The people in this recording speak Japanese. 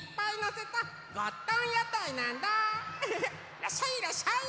いらっしゃいいらっしゃい！